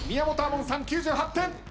門さん９８点。